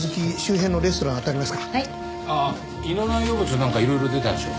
ああ胃の内容物なんかいろいろ出たでしょ？